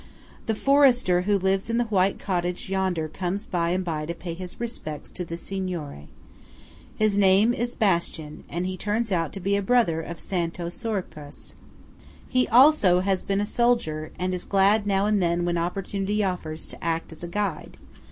The forester who lives in the white cottage yonder comes by and by to pay his respects to the Signore. His name is Bastian, and he turns out to be a brother of Santo Siorpaes. He also has been a soldier, and is glad now and then, when opportunity offers, to act as guide.